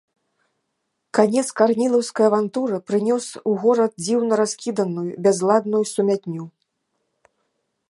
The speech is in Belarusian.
Канец карнілаўскай авантуры прынёс ў горад дзіўна раскіданую, бязладную сумятню.